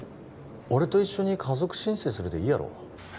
俺と一緒に家族申請するでいいやろ？